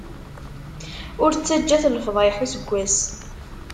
Ur ttaǧǧat lefḍayel n useggas.